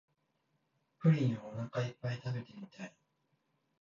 プリンをおなかいっぱい食べてみたい